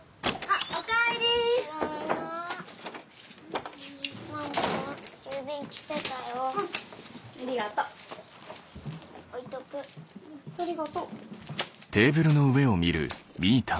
ありがと。